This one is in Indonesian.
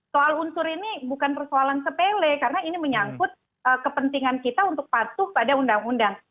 soal unsur ini bukan persoalan sepele karena ini menyangkut kepentingan kita untuk patuh pada undang undang